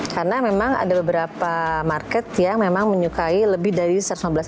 karena memang ada beberapa market yang memang menyukai lebih dari satu ratus lima belas cm mbak